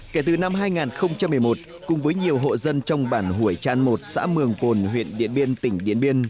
kể từ năm hai nghìn một mươi một cùng với nhiều hộ dân trong bản hủy tràn một xã mường pồn huyện điện biên tỉnh điện biên